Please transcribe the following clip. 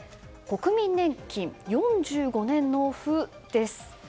国民年金４５年納付？です。